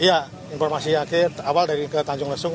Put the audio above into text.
ya informasi akhir awal dari ke tanjung lesung